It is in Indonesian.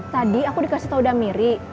tadi aku dikasih tau udah miri